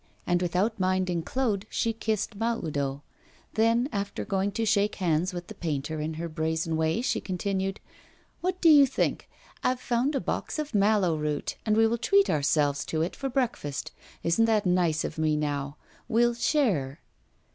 And, without minding Claude, she kissed Mahoudeau. Then, after going to shake hands with the painter in her brazen way, she continued: 'What do you think? I've found a box of mallow root, and we will treat ourselves to it for breakfast. Isn't that nice of me now! We'll share.